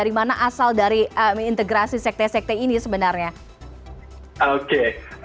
biasa bisa mendengar saya oke